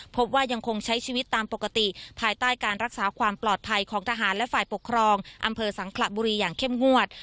พบว่ายังคงใช้ชีวิตตามปกติภายใต้การรักษาความปลอดภัยของทหารและฝ่ายปกครองอำเภอสังขระบุรีอย่างเข้มงวด